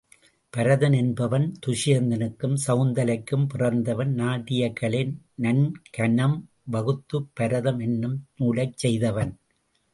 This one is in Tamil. பரதன் என்பவன் துஷியந்தனுக்கும் சகுந்தலைக்கும் பிறந்தவன் நாட்டியக்கலை நன்கனம் வகுத்துப் பரதம் என்னும் நூலைச் செய்தவன்.